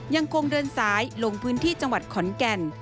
ยังคงเดินซ้ายลงพื้นที่จังหวัดขอนแก่น